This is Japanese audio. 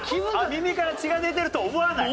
耳から血が出てると思わない？